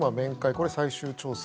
これは最終調整。